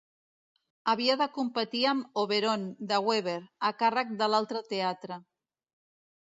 Havia de competir amb "Oberon" de Weber, a càrrec de l'altre teatre.